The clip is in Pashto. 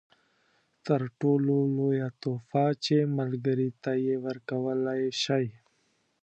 تر ټولو لویه تحفه چې ملګري ته یې ورکولای شئ.